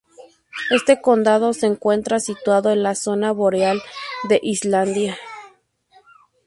Este condado se encuentra situado en la zona boreal de Islandia.